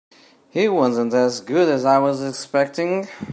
He wasn't as good as I was expecting.